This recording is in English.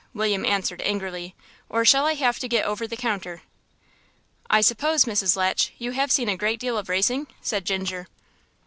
William answered angrily, "or shall I have to get over the counter?" "I suppose, Mrs. Latch, you have seen a great deal of racing?" said Ginger.